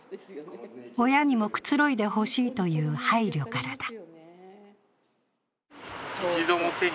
親にも、くつろいでほしいという配慮からだ。